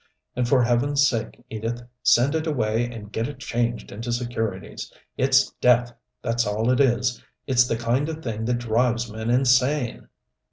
And for Heaven's sake, Edith, send it away and get it changed into securities. It's death that's all it is. It's the kind of thing that drives men insane."